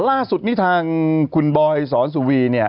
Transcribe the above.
แต่ล่าสุดที่ทางคุณบอยสอนสุวี